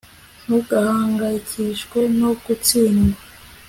ntugahangayikishwe no gutsindwa